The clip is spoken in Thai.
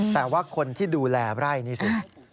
แต่ว่าคนที่ดูแลไร่นี่สิ